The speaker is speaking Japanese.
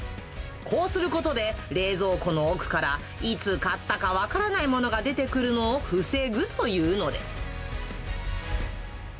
こうすることで、冷蔵庫の奥から、いつ買ったか分からないものが出てくるのを防ぐというのです。